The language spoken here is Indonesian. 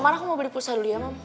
mana aku mau beli pulsa dulu ya mam